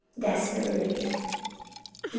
Desperately wicked, Jer.